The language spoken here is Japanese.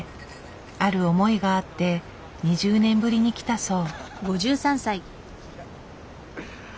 ある思いがあって２０年ぶりに来たそう。